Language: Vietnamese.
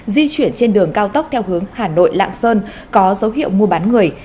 di chuyển trên đường cao tốc theo hướng hà nội lạng sơn có dấu hiệu mua bán người